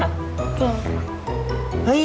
จริงค่ะ